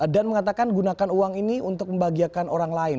dan mengatakan gunakan uang ini untuk membagiakan orang lain